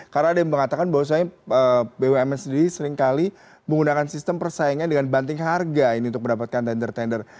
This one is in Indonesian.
karena ada yang mengatakan bahwa bumn sendiri seringkali menggunakan sistem persaingan dengan banting harga ini untuk mendapatkan tender tender